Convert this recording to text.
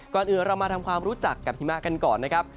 ก่อนอื่นเรามาทำความรู้จักกับหิมะกันก่อนนะครับ